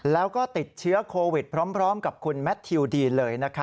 แล้วก็ติดเชื้อโควิดพร้อมกับคุณแมททิวดีนเลย